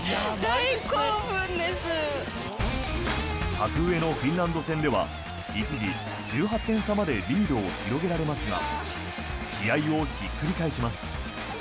格上のフィンランド戦では一時、１８点差までリードを広げられますが試合をひっくり返します。